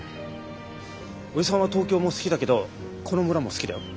おじさんは東京も好きだけどこの村も好きだよ。